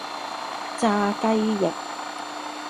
炸雞翼